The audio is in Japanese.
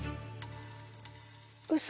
うそ？